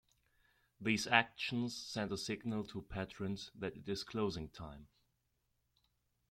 These actions send a signal to patrons that it is closing time.